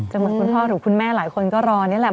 เหมือนคุณพ่อหรือคุณแม่หลายคนก็รอนี่แหละ